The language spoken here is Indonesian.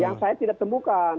yang saya tidak temukan